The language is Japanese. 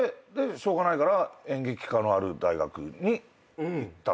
しょうがないから演劇科のある大学に行ったんですよね。